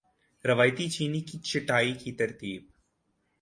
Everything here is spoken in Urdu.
روایتی چینی کی چھٹائی کی ترتیب